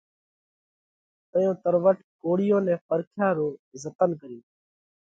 تئيون تروٽ ڪوۯِيئون نئہ پارکيا رو زتنَ ڪريو۔